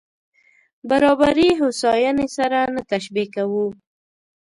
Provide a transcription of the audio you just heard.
برابري هوساينې سره نه تشبیه کوو.